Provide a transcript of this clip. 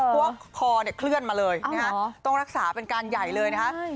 เพราะว่าคอเนี่ยเคลื่อนมาเลยต้องรักษาเป็นการใหญ่เลยนะคะ